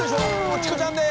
チコちゃんです！